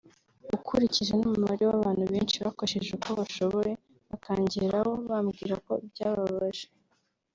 ukurikije n’umubare w’abantu benshi bakoresheje uko bashoboye bakangeraho bambwira ko byababaje